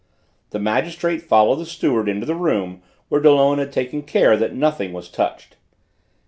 The magistrate followed the steward into the room where Dollon had taken care that nothing was touched.